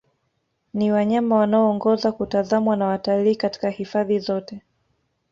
Ni wanyama wanaoongoza kutazamwa na watalii katika hifadhi zote